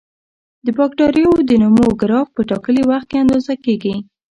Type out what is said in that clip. د بکټریاوو د نمو ګراف په ټاکلي وخت کې اندازه کیږي.